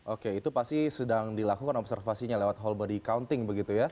oke itu pasti sedang dilakukan observasinya lewat whole body counting begitu ya